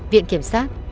viện kiểm sát